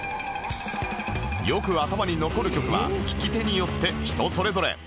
よく頭に残る曲は聴き手によって人それぞれ